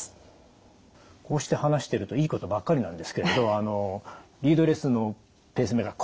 こうして話してるといいことばっかりなんですけれどリードレスのペースメーカー